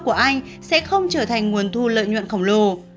của anh sẽ không trở thành nguồn thu lợi nhuận khổng lồ